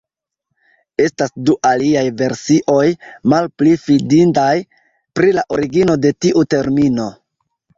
Estas du aliaj versioj, malpli fidindaj, pri la origino de tiu termino.